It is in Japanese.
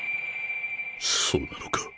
そうなのか？